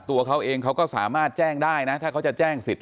ตัวเขาเองเขาก็สามารถแจ้งได้นะถ้าเขาจะแจ้งสิทธิ